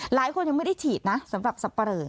หลายคนยังไม่ได้ฉีดนะสำหรับสับปะเรอ